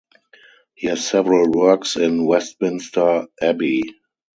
He has several works in Westminster Abbey.